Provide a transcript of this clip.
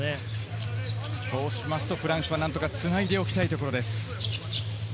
フランスはなんとかつないでおきたいところです。